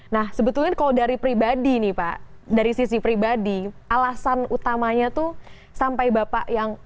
nah sebetulnya kalau dari pribadi nih pak dari sisi pribadi alasan utamanya tuh sampai bapak yang